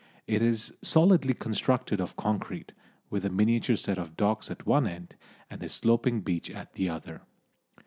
It is solidly constructed of concrete, with a miniature set of docks at one end, and a sloping beach at the other.